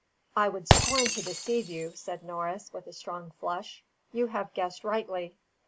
"I would scorn to deceive you," said Norris, with a strong flush, "you have guessed rightly.